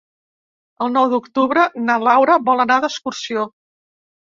El nou d'octubre na Laura vol anar d'excursió.